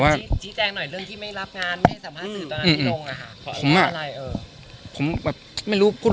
ข่าวจริงจิ้นแจ้งหน่อยเรื่องที่ไม่รับงานไม่ให้สัมภาษณ์ตีการหินอยู่อ่ะ